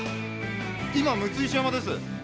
今六ツ石山です。